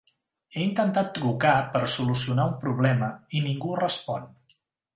He intentat trucar per solucionar un problema i ningú respon.